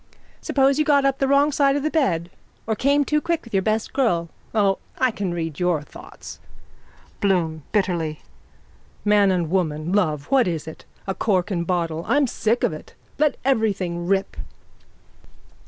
_ Suppose you got up the wrong side of the bed or came too quick with your best girl. O, I can read your thoughts! BLOOM: (Bitterly.) Man and woman, love, what is it? A cork and bottle. I'm sick of it. Let everything rip.